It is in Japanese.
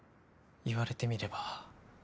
言われてみれば。